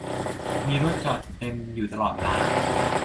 มีรถจอดเต็มอยู่ตลอดเวลา